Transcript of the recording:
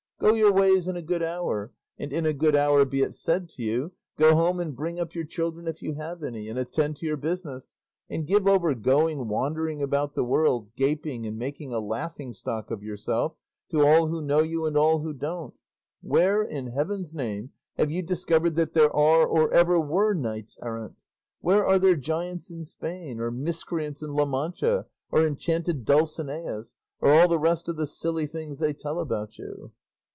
Go your ways in a good hour, and in a good hour be it said to you. Go home and bring up your children if you have any, and attend to your business, and give over going wandering about the world, gaping and making a laughing stock of yourself to all who know you and all who don't. Where, in heaven's name, have you discovered that there are or ever were knights errant? Where are there giants in Spain or miscreants in La Mancha, or enchanted Dulcineas, or all the rest of the silly things they tell about you?"